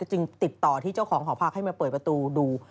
จึงติดต่อที่เจ้าของหอพักให้มาเปิดประตูดู